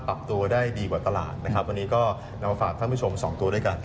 ปรับตัวได้ดีกว่าตลาดนะครับวันนี้ก็นำมาฝากท่านผู้ชมสองตัวด้วยกัน